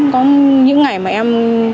có những ngày mà em